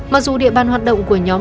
mặc dù địa bàn hoạt động của nhóm